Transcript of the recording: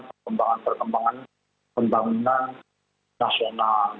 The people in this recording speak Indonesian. perkembangan perkembangan pembangunan nasional